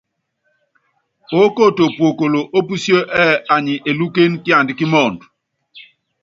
Oókoto puokolo ópusíé anyi elúkéne kiandá kí mɔɔnd.